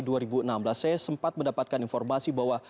saya sempat mendapatkan informasi bahwa